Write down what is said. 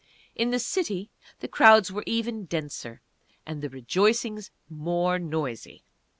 In the city the crowds were even denser, and the rejoicings more noisy.